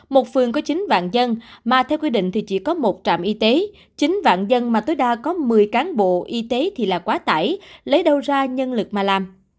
một phường có chín vạn dân mà theo quy định thì chỉ có một trạm y tế chín vạn dân mà tối đa có một mươi cán bộ y tế thì là quá tải lấy đâu ra nhân lực mà làm